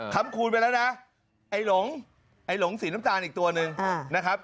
ค้ำคูนไปละนะไอโหลงไอโหลงสีน้ำตาลอีกตัวนึงนะครับ